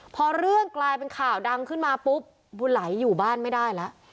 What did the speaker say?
พอเรื่องกลายเป็นข่าวดังขึ้นมาปุ๊บบุญไหลอยู่บ้านไม่ได้แล้ว